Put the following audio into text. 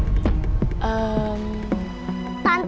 tante kok tau nama aku